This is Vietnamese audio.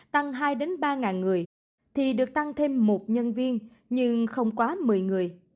tăng hai ba người thì được tăng thêm một nhân viên nhưng không quá một mươi người